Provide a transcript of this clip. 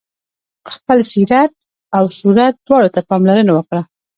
خپل سیرت او صورت دواړو ته پاملرنه وکړه.